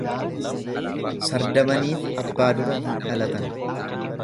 Sardamaniif abbaa dura hin dhalatan.